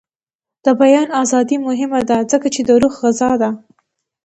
د بیان ازادي مهمه ده ځکه چې د روح غذا ده.